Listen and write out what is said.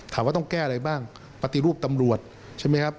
ต้องแก้อะไรบ้างปฏิรูปตำรวจใช่ไหมครับ